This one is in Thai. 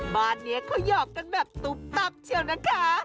บ้านนี้เขาหยอกกันแบบตุ๊บตับเชียวนะคะ